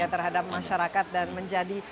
terhadap masyarakat dan menjadi